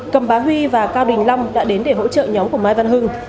cầm bá huy và cao đình long đã đến để hỗ trợ nhóm của mai văn hưng